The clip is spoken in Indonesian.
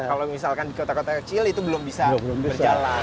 kalau misalkan di kota kota kecil itu belum bisa berjalan